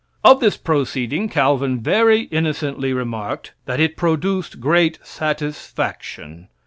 Of this proceeding Calvin very innocently remarked, that it produced great satisfaction.